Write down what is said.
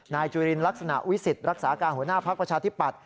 จุลินลักษณะวิสิทธิ์รักษาการหัวหน้าภักดิ์ประชาธิปัตย